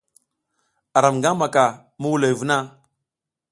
Aram nga maka muhuloy vuna?